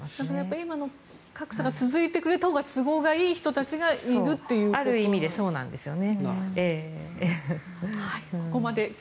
今の格差が続いてくれたほうが都合がいい人たちがある意味でそうですね。